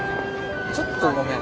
ちょっとごめん。